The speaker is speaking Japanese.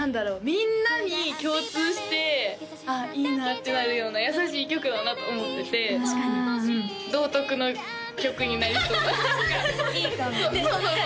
みんなに共通してああいいなってなるような優しい曲だなと思ってて確かにうん道徳の曲になりそういいかもね